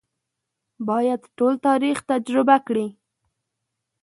باید ټول تاریخ تجربه کړي.